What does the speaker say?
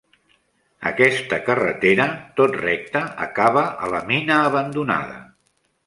Aquesta carretera, tot recte, acaba a la mina abandonada.